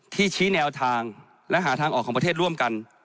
ชี้แนวทางและหาทางออกของประเทศร่วมกัน